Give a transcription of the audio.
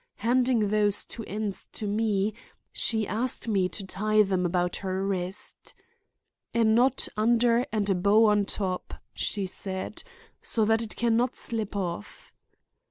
Handing those two ends to me, she asked me to tie them about her wrist. 'A knot under and a bow on top,' she said, 'so that it can not slip off.